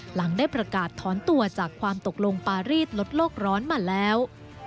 หลังได้ประกาศถอนตัวจากความตกลงปารีสลดโลกร้อนมาแล้ว